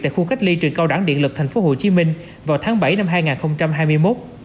tại khu cách ly trường cao đẳng điện lực tp hcm vào tháng bảy năm hai nghìn hai mươi một